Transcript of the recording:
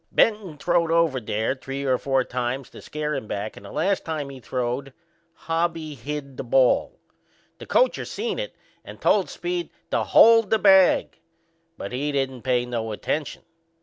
Benton throwed over there three or four times to scare him back, and the last time he throwed, Hobby hid the ball. The coacher seen it and told Speed to hold the bag; but he didn't pay no attention.